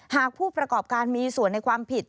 หากผู้ประกอบการมีส่วนในความผิด